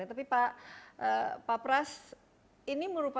hidup ikut hidup struktur olahraga